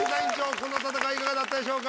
この戦いいかがだったでしょうか？